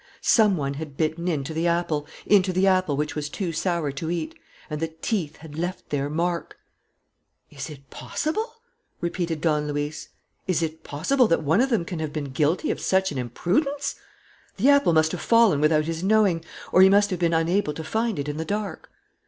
Some one had bitten into the apple; into the apple which was too sour to eat. And the teeth had left their mark! "Is it possible?" repeated Don Luis. "Is it possible that one of them can have been guilty of such an imprudence! The apple must have fallen without his knowing ... or he must have been unable to find it in the dark."